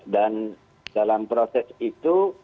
dan dalam proses itu